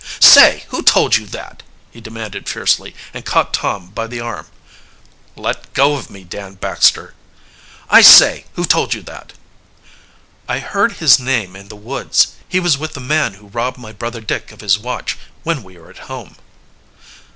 "Say, who told you that?" he demanded fiercely and caught Tom by the arm. "Let go of me, Dan Baxter." "I say, who told you that?" "I heard his name in the woods. He was with the man who robbed my brother Dick of his watch, when we were at home."